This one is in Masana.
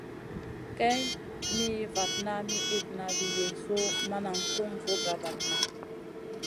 Kay mi vatna mi itna vi Yezu ma nan tum vun bra-bradna.